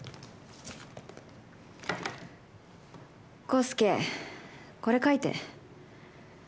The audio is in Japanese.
孝介、これ書いて。